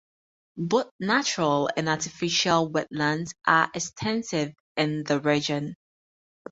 Both natural and artificial wetlands are extensive in the region.